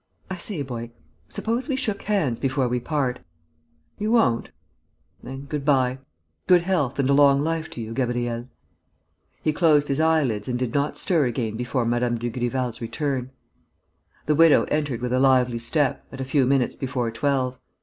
I say, boy ... suppose we shook hands before we part? You won't? Then good bye. Good health and a long life to you, Gabriel!..." He closed his eyelids and did not stir again before Mme. Dugrival's return. The widow entered with a lively step, at a few minutes before twelve.